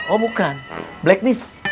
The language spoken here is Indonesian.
oh bukan blackness